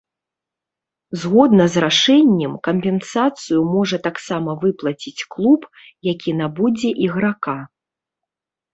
Згодна з рашэннем кампенсацыю можа таксама выплаціць клуб, які набудзе іграка.